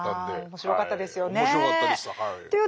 面白かったですはい。